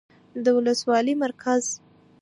، د ولسوالۍ مرکز